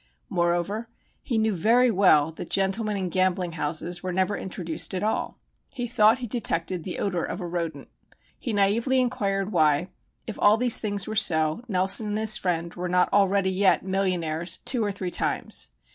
Moreover, he knew very well that gentlemen in gambling houses were never introduced at all. He thought he detected the odor of a rodent. He naïvely inquired why, if all these things were so, Nelson and his friend were not already yet millionaires two or three times?